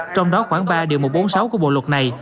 trong đó khoảng ba điều một trăm bốn mươi sáu của bộ luật này